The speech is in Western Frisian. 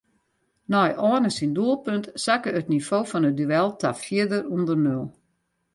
Nei Anne syn doelpunt sakke it nivo fan it duel ta fier ûnder nul.